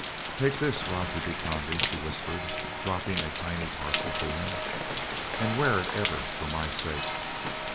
"Take this, Roger de Conde," she whispered, dropping a tiny parcel to him, "and wear it ever, for my sake.